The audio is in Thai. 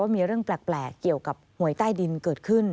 มีเรื่องแปลกเกี่ยวกับหวยใต้ดินเกิดขึ้น